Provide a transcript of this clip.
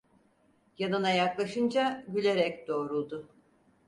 Yanına yaklaşınca gülerek doğruldu.